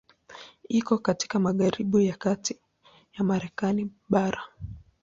Iko katika magharibi ya kati ya Marekani bara.